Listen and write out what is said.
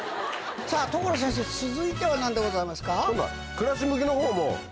さぁ所先生続いては何でございますか？